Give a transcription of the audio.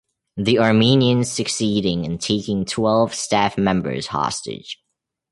The Armenians succeeding in taking twelve staff members hostage.